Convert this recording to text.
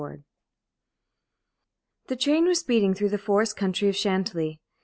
XIX The train was speeding through the forest country of Chantilly.